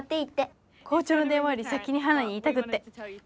校長の電話より先にハナに言いたくって。